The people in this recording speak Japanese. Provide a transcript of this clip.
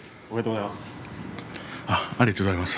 おめでとうございます。